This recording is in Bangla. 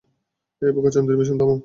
এই বোকাচন্দ্রী মিশন থামাও।